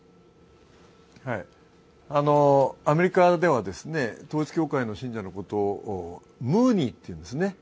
アメリカでは統一教会の信者のことをムーニーというんですね。